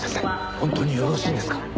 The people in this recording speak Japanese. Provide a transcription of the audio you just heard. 本当によろしいんですか？